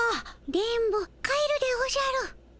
電ボ帰るでおじゃる。